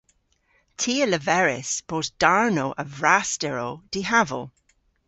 Ty a leveris bos darnow a vrasterow dihaval.